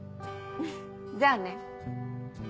じゃあね。